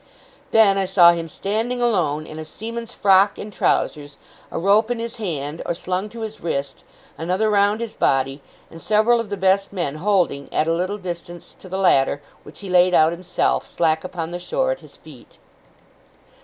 Then, I saw him standing alone, in a seaman's frock and trousers: a rope in his hand, or slung to his wrist: another round his body: and several of the best men holding, at a little distance, to the latter, which he laid out himself, slack upon the shore, at his feet.